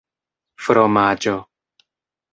fromaĝo